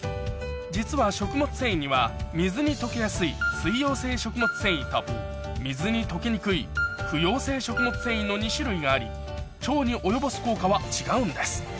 実は食物繊維には水に溶けやすい水溶性食物繊維と水に溶けにくい不溶性食物繊維の２種類があり腸に及ぼす効果は違うんです